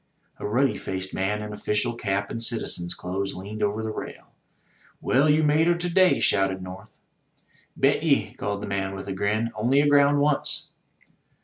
A ruddy faced man in official cap and citizen's clothes leaned over the rail. "Well, you made her to day/* shouted North. "Bet ye," called the man with a grin. "Only agroimd once."